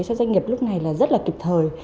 cho doanh nghiệp lúc này là rất là kịp thời